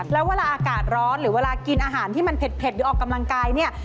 แล้วเวลาอากาศร้อนหรือเวลากินอาหารที่มันเผ็ดหรือออกกำลังกายเนี่ย